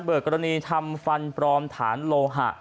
กรณีทำฟันปลอมฐานโลหะ